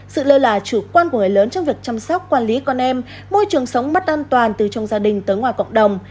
sự lơ là chủ quan của người lớn trong việc chăm sóc quản lý con em môi trường sống mất an toàn từ trong gia đình tới ngoài cộng đồng